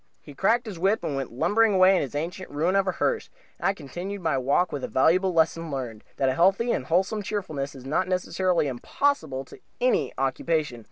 He cracked his whip and went lumbering away with his ancient ruin of a hearse, and I continued my walk with a valuable lesson learned that a healthy and wholesome cheerfulness is not necessarily impossible to any occupation.